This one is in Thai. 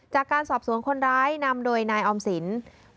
จากการสอบสวนคนร้ายนำโดยนายออมสิน